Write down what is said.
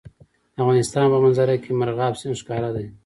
د افغانستان په منظره کې مورغاب سیند ښکاره دی.